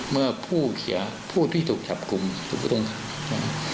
เมื่อผู้เขียนผู้ที่ถูกจับกลุ่มถูกต้องครับ